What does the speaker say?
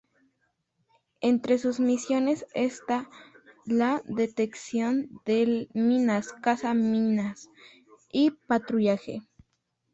Entre sus misiones está la detección de minas, caza-minas y patrullaje.